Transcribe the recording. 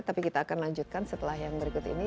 tapi kita akan lanjutkan setelah ini